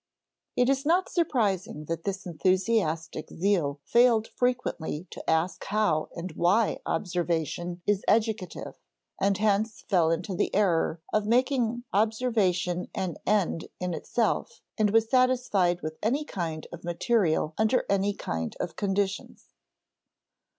It is not surprising that this enthusiastic zeal failed frequently to ask how and why observation is educative, and hence fell into the error of making observation an end in itself and was satisfied with any kind of material under any kind of conditions.